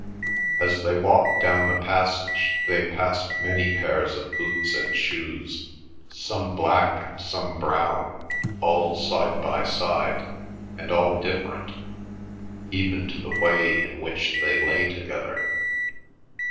As they walked down the passage they passed many pairs of boots and shoes, some black and some brown, all side by side, and all different, even to the way in which they lay together.